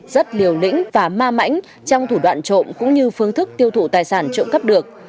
rất liều lĩnh và ma mãnh trong thủ đoạn trộm cũng như phương thức tiêu thụ tài sản trộm cắp được